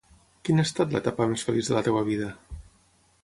Quina ha estat l'etapa més feliç de la teva vida?